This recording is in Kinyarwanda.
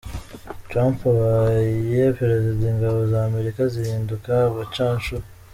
Trump abaye Perezida, ingabo za Amerika zahinduka abacanshuro.